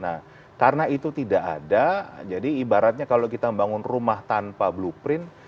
nah karena itu tidak ada jadi ibaratnya kalau kita membangun rumah tanpa blueprint